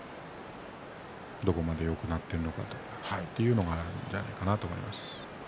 どこまでよくなっているのかというのがあるじゃないかなと思います。